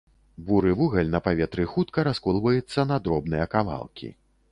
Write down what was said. Буры вугаль на паветры хутка расколваецца на дробныя кавалкі.